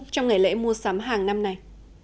trong ngày lễ mua sắm hàng năm này